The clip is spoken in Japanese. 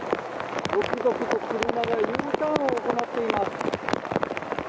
続々と車がＵターンを行っています。